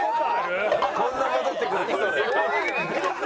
こんな戻ってくる事。